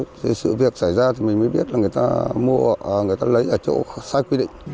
thì sự việc xảy ra thì mình mới biết là người ta mua người ta lấy ở chỗ sai quy định